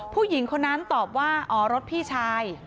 ผู้หญิงคนนั้นตอบว่าอ๋อรถพี่ชาย